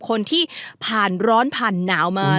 คนที่ผ่านร้อนผ่านหนาวมา